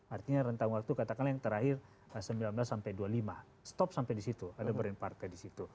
artinya rentang waktu katakanlah yang terakhir sembilan belas sampai dua puluh lima stop sampai di situ ada brand partai di situ